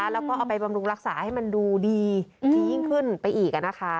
แล้วก็เอาไปบำรุงรักษาให้มันดูดีดียิ่งขึ้นไปอีก